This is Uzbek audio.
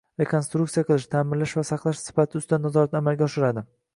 rekonstruktsiya qilish, ta'mirlash va saqlash sifati ustidan nazoratni amalga oshiradi;